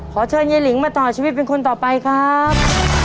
ขอเชิญยายหลิงมาต่อชีวิตเป็นคนต่อไปครับ